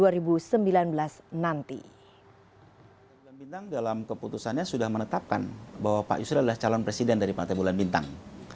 bulan bintang dalam keputusannya sudah menetapkan bahwa pak yusril adalah calon presiden dari partai bulan bintang